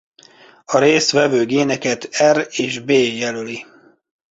A részt vevő géneket R és B jelöli.